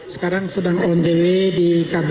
sekarang sedang on the way di kb